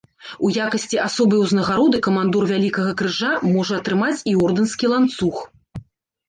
У якасці асобай узнагароды камандор вялікага крыжа можа атрымаць і ордэнскі ланцуг.